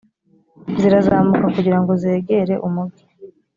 zirazamuka kugira ngo zegere umugi